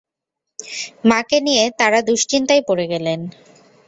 মাকে নিয়ে তাড়া দুশ্চিন্তায় পড়ে গেলেন।